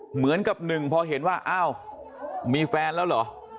เหมือนกับหนึ่งพอเห็นว่าอ้าวมีแฟนแล้วเหรอ